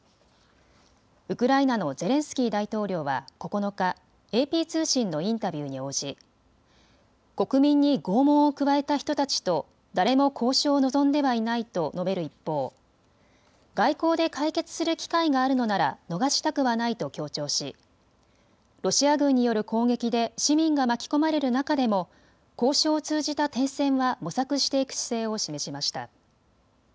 ウクライナのゼレンスキー大統領は９日、ＡＰ通信のインタビューに応じ国民に拷問を加えた人たちと誰も交渉を望んではいないと述べる一方、外交で解決する機会があるのなら逃したくはないと強調しロシア軍による攻撃で市民が巻き込まれる中でも交渉を通じた停戦は模索していく姿勢を示しました。